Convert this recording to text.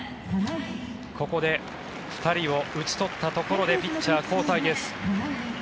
ここで２人を打ち取ったところでピッチャー交代です。